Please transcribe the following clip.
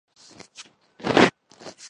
لیکن جب سے ان کے ماحول دشمن اثرات